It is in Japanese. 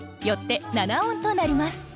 よって７音となります。